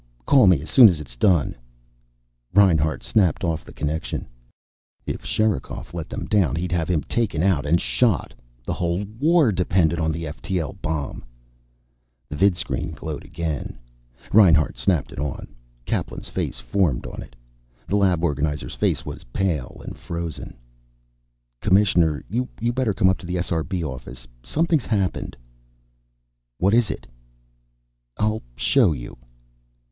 Call me as soon as it's done." Reinhart snapped off the connection. If Sherikov let them down he'd have him taken out and shot. The whole war depended on the ftl bomb. The vidscreen glowed again. Reinhart snapped it on. Kaplan's face formed on it. The lab organizer's face was pale and frozen. "Commissioner, you better come up to the SRB office. Something's happened." "What is it?" "I'll show you."